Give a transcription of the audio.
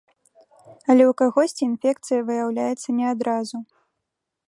Але ў кагосьці інфекцыя выяўляецца не адразу.